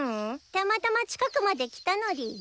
たまたま近くまで来たのでぃす。